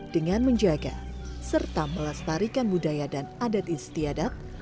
dengan menjaga serta melestarikan budaya dan adat istiadat